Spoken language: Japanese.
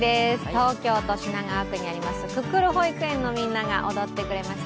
東京都品川区にありますくくる保育園のみんなが踊ってくれました。